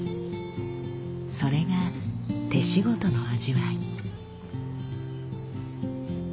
それが手仕事の味わい。